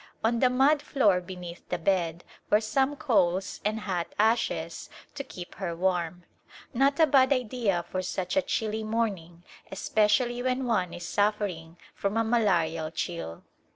On the mud floor beneath the bed were some coals and hot ashes to keep her warm. Not a bad idea for such a chilly morn ing, especially when one is suffering from a malarial chill.